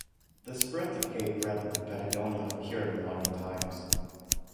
The spread to Cape Breton and Patagonia occurred in modern times.